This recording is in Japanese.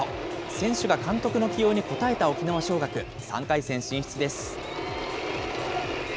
選手が監督の起用に応えた沖縄尚学、３回戦進出です。